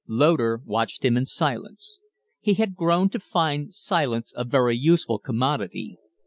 Loder watched him in silence. He had grown to find silence a very useful commodity.